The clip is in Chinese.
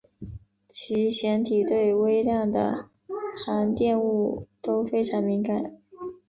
其腺体对微量的含氮物都非常敏感。